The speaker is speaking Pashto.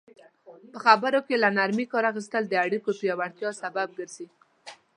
په خبرو کې له نرمي کار اخیستل د اړیکو پیاوړتیا سبب ګرځي.